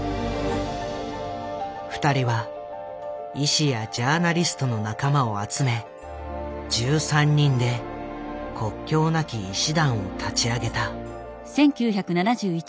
２人は医師やジャーナリストの仲間を集め１３人で国境なき医師団を立ち上げた。